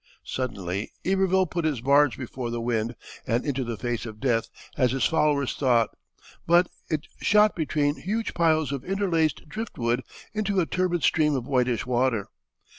Suddenly Iberville put his barge before the wind, and into the face of death as his followers thought, but it shot between huge piles of interlaced drift wood into a turbid stream of whitish water.